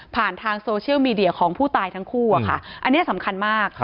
ทางโซเชียลมีเดียของผู้ตายทั้งคู่อะค่ะอันนี้สำคัญมาก